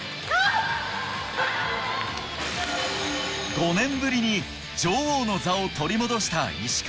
５年ぶりに女王の座を取り戻した石川。